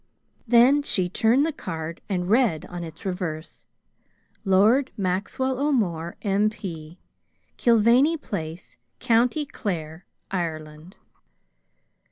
Then she turned the card and read on its reverse, Lord Maxwell O'More, M. P., Killvany Place, County Clare, Ireland.